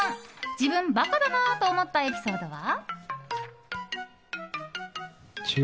自分、バカだなと思ったエピソードは？